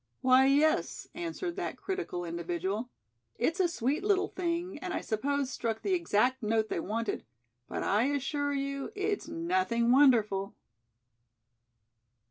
"Why, yes," answered that critical individual. "It's a sweet little thing and I suppose struck the exact note they wanted, but I assure you it's nothing wonderful."